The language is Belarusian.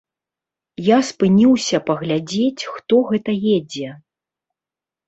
Я спыніўся паглядзець, хто гэта едзе.